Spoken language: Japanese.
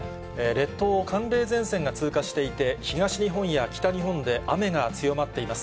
列島を寒冷前線が通過していて、東日本や北日本で雨が強まっています。